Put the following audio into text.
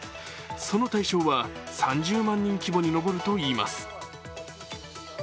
その対象は３０万人規模に上るといいます。